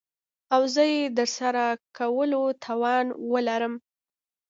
او زه يې دترسره کولو توان وه لرم .